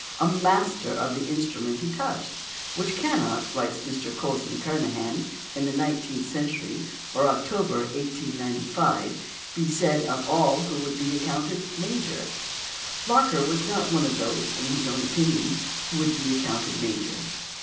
] a master of the instrument he touched, which cannot," writes Mr Coulson Kernahan in the Nineteenth Century for October 1895, "be said of all who would be accounted major." Locker was not of those, in his own opinion, who would be accounted major.